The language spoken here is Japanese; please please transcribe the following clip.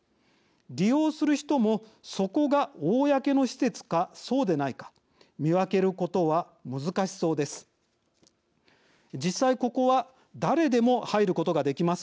利用する人も、そこが公の施設かそうでないか見分けることは難しそうです。